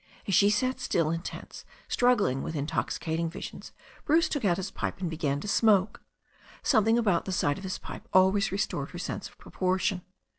As she sat still and tense, struggling with intoxicating visions, Bruce took out his pipe and began to smoke. Some thing about the sight of his pipe always restored her sense of proportion.